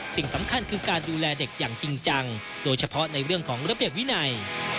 สิ่งสำคัญคือการดูแลเด็กอย่างจริงจังโดยเฉพาะในเรื่องของระเบียบวินัย